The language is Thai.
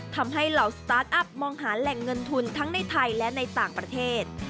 เหล่าสตาร์ทอัพมองหาแหล่งเงินทุนทั้งในไทยและในต่างประเทศ